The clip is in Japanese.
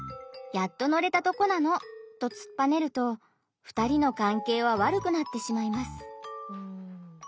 やっと乗れたとこなの！」とつっぱねると２人の関係は悪くなってしまいます。